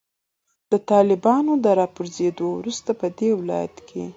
د طالبانو د راپرزیدو وروسته پدې ولایت کې